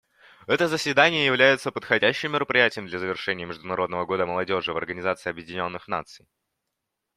Это заседание является подходящим мероприятием для завершения Международного года молодежи в Организации Объединенных Наций.